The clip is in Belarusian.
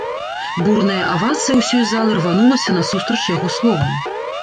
Бурная авацыя ўсёй залы рванулася насустрач яго словам.